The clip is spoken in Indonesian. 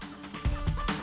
kita akan teman teman